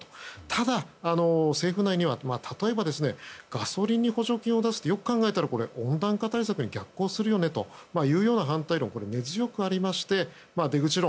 ただ、政府内には例えばガソリンに補助金を出すってよく考えたら温暖化対策に逆行するよねという反対論が根強くありまして、出口論